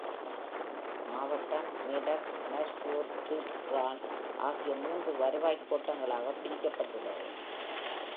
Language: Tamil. மாவட்டம், மேடக், நஸ்பூர், துப்ரான் ஆகிய மூன்று வருவாய்க் கோட்டங்களாகப் பிரிக்கப்பட்டுள்ளது.. ...